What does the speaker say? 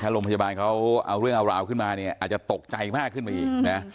ถ้าโรงพยาบาลเขาเอาเรื่องอาราวขึ้นมาอาจจะตกใจมากขึ้นมาอีก